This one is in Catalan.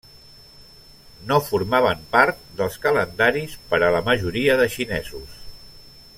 No formaven part dels calendaris per a la majoria de xinesos.